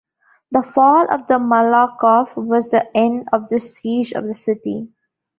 The fall of the Malakoff was the end of the siege of the city.